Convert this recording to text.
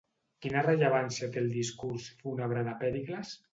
Quina rellevància té el discurs fúnebre de Pèricles?